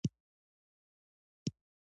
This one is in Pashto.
په تدریجي ډول وړو کولمو ته لېږدوي.